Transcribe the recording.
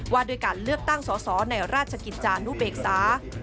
ว่าด้วยการเลือกตั้งสอสอในราชกิจจานุเบกษา